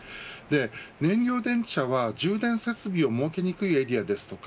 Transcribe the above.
燃料電池車は充電設備を設けにくいエリアですとか